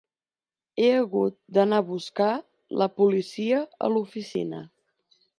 He hagut d'anar a buscar la policia a l'oficina.